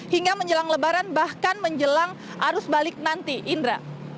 hingga menjelang lebaran bahkan menjelang arus balik nanti indra